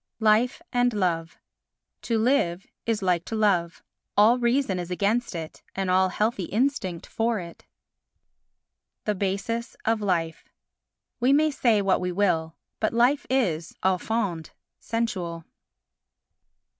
Life and Love To live is like to love—all reason is against it, and all healthy instinct for it. The Basis of Life We may say what we will, but Life is, au fond, sensual.